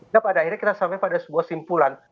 nah pada akhirnya kita sampai pada sebuah simpulan